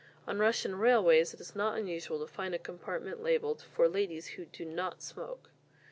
On Russian railways it is not unusual to find a compartment labelled "For ladies who do not smoke."